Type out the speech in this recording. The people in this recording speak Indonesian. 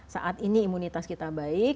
saat ini imunitas kita baik